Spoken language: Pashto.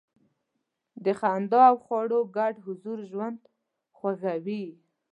د خندا او خواړو ګډ حضور ژوند خوږوي.